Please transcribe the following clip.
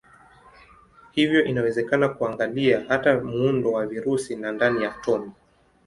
Hivyo inawezekana kuangalia hata muundo wa virusi na ndani ya atomi.